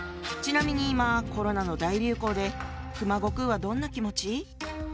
ちなみに今コロナの大流行で熊悟空はどんな気持ち？